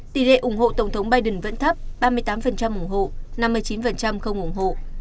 tỷ lệ ủng hộ tổng thống biden vẫn thấp ba mươi tám ủng hộ năm mươi chín không ủng hộ